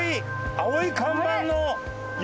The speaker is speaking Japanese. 青い看板の横？